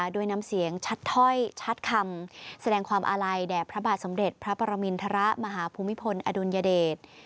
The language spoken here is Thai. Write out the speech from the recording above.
ด้วยน้ำเสียงชัดถ้อยชัดคำแสดงความอาลัยแด่พระบาทสมเด็จพระปรมินทรมาหาภูมิพลอดุลยเดช